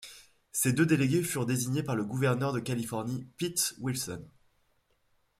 Ces deux délégués furent désignés par le gouverneur de Californie Pete Wilson.